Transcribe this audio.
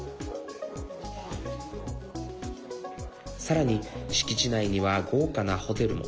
さらに敷地内には豪華なホテルも。